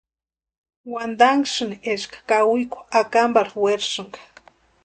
Wantanhasïni eska kawikwa akamparhu werasïnka.